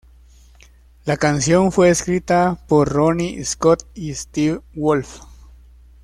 La canción fue escrita por Ronnie Scott y Steve Wolfe.